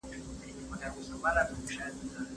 که سوله وي نو میندې نه ژاړي.